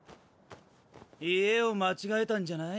家を間違えたんじゃない？